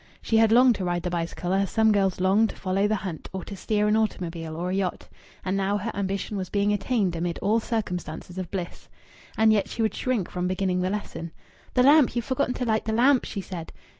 She had longed to ride the bicycle as some girls long to follow the hunt or to steer an automobile or a yacht. And now her ambition was being attained amid all circumstances of bliss. And yet she would shrink from beginning the lesson. "The lamp! You've forgotten to light the lamp!" she said.